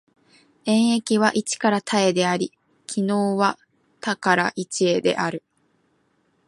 演繹は一から多へであり、帰納は多から一へである。